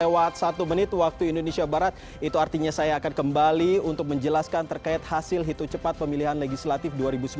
lewat satu menit waktu indonesia barat itu artinya saya akan kembali untuk menjelaskan terkait hasil hitung cepat pemilihan legislatif dua ribu sembilan belas